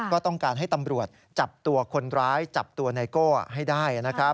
ก็ต้องการให้ตำรวจจับตัวคนร้ายจับตัวไนโก้ให้ได้นะครับ